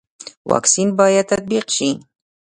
واکسین باید تطبیق شي